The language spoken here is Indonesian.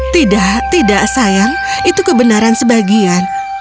tidak tidak sayang itu kebenaran sebagian